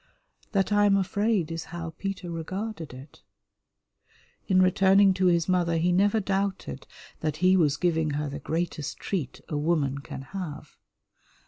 That I am afraid is how Peter regarded it. In returning to his mother he never doubted that he was giving her the greatest treat a woman can have.